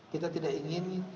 kita tidak ingin